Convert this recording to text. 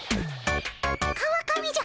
川上じゃ。